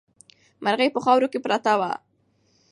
مرغۍ په خاورو کې پرته وه.